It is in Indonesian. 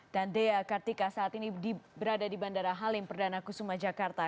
dan dea kartika saat ini berada di bandara halim perdana kusuma jakarta